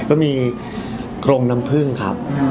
ก็มีกรงน้ำผึ้งครับ